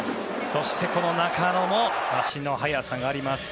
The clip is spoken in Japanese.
そして、この中野も足の速さがあります。